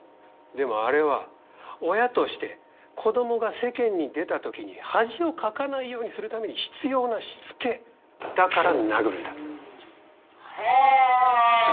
でもあれは親として子供が世間に出た時に恥をかかないようにするために必要なしつけだから殴るんだへえ！